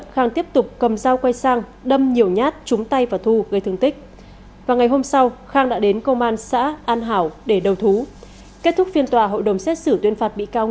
khang đã bị giết và tựa